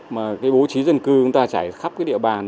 mà bố trí dân cư chúng ta chảy khắp địa bàn